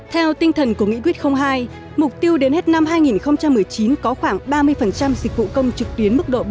theo tinh thần của nghị quyết hai mục tiêu đến hết năm hai nghìn một mươi chín có khoảng ba mươi dịch vụ công trực tuyến mức độ bốn